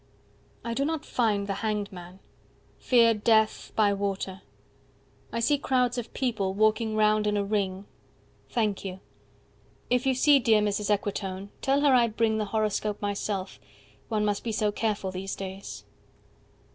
I do not find The Hanged Man. Fear death by water. 55 I see crowds of people, walking round in a ring. Thank you. If you see dear Mrs. Equitone, Tell her I bring the horoscope myself: One must be so careful these days.